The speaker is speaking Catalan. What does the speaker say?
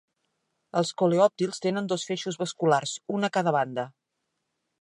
Els coleòptils tenen dos feixos vasculars, un a cada banda.